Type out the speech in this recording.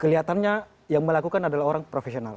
kelihatannya yang melakukan adalah orang profesional